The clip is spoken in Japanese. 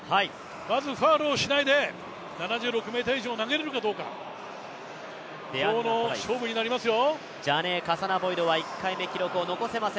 まずファウルをしないで、７６ｍ以上投げられるかどうか、今日の勝負になりますよ。